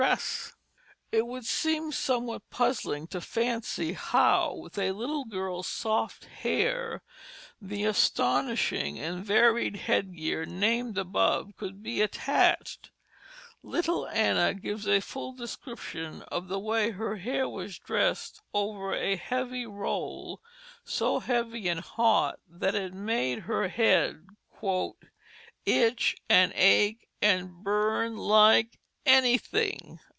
[Illustration: Jonathan Mountfort, Seven Years Old, 1753] It would seem somewhat puzzling to fancy how, with a little girl's soft hair, the astonishing and varied head gear named above could be attached. Little Anna gives a full description of the way her hair was dressed over a high roll, so heavy and hot that it made her head "itch & ach & burn like anything."